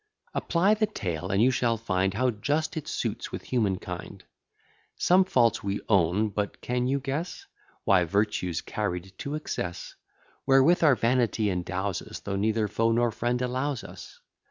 Apply the tale, and you shall find, How just it suits with human kind. Some faults we own; but can you guess? Why, virtue's carried to excess, Wherewith our vanity endows us, Though neither foe nor friend allows us.